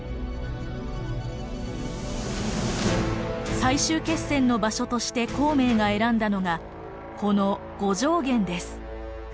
最終決戦の場所として孔明が選んだのがこの五丈原です。